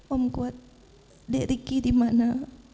om kuat dik riki dimana